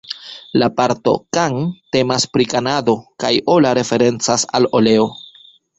La parto "Can" temas pri Canada kaj "ola" referencas al oleo.